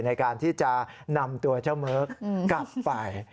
ในการที่จะนำตัวเจ้าเมิร์กกลับไป